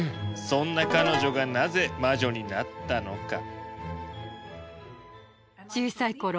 そんな彼女がなぜ魔女になったのか。